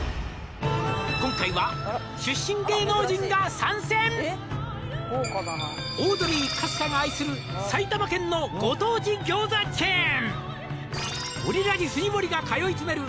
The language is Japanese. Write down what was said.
「今回は出身芸能人が参戦」「オードリー春日が愛する」「埼玉県のご当地餃子チェーン」「オリラジ藤森が通い詰める」